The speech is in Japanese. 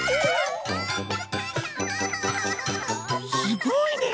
すごいね！